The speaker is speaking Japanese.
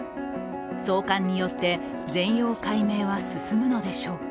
送還によって、全容解明は進むのでしょうか。